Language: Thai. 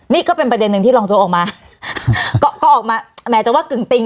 นี่ก็เป็นประเด็นหนึ่งที่รองโจ๊กออกมาก็ก็ออกมาแม้จะว่ากึ่งติง